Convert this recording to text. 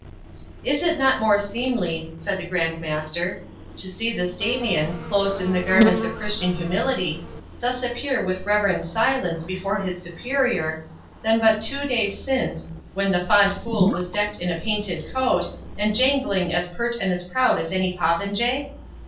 "Is it not more seemly," said the Grand Master, "to see this Damian, clothed in the garments of Christian humility, thus appear with reverend silence before his Superior, than but two days since, when the fond fool was decked in a painted coat, and jangling as pert and as proud as any popinjay?